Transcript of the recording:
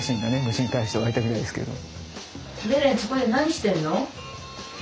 虫に対して湧いたみたいですけど。